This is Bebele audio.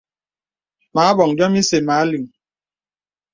Mə̀ abɔ̀ŋ yɔ̀m ìsɛ̂ mə a lìŋ.